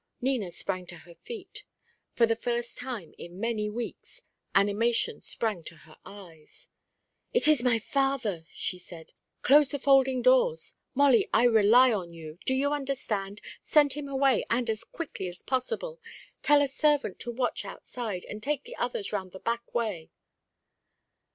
Nina sprang to her feet. For the first time in many weeks animation sprang to her eyes. "It is my father!" she said. "Close the folding doors. Molly, I rely on you! Do you understand? Send him away, and as quickly as possible. Tell a servant to watch outside, and take the others round the back way."